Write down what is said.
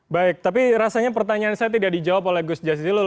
baik tapi rasanya pertanyaan saya tidak dijawab oleh gus jasilul